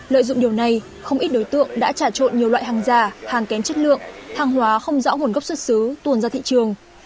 lợi dụng điều này không ít đối tượng đã trả trộn nhiều loại hàng giả hàng kém chất lượng hàng hóa không rõ nguồn gốc xuất xứ tuồn ra thị trường